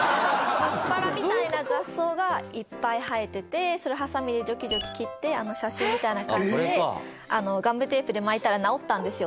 アスパラみたいな雑草がいっぱい生えててそれをハサミでジョキジョキ切ってあの写真みたいな感じでガムテープで巻いたら直ったんですよ